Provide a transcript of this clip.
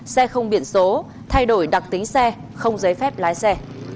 xe không biển số thay đổi đặc tính xe không giấy phép lái xe